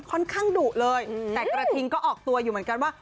ค่อนข้างดุเลยแต่กระทิงก็ออกตัวอยู่เหมือนกันว่า